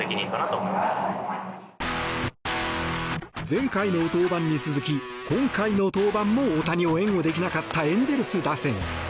前回の登板に続き今回の登板も大谷を援護できなかったエンゼルス打線。